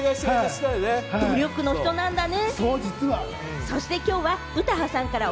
努力の人なんだね。